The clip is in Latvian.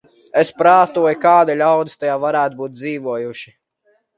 Es prātoju, kādi ļaudis tajā varētu būt dzīvojuši.